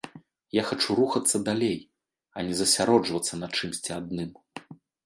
Я хачу рухацца далей, а не засяроджвацца на чымсьці адным.